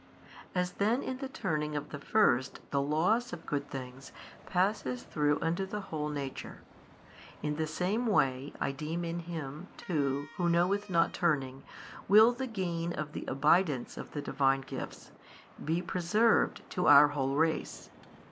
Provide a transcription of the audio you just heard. As then in the turning of the first the loss of good things passes through unto the whole nature: in the same way I deem in Him too Who knoweth not turning will the gain of the abidance of the Divine Gifts be preserved to our whole race.